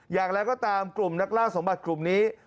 อย่างไรก็ตามกลุ่มนักล่าสมบัติกลุ่มนี้